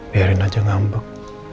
biarin aja ngambek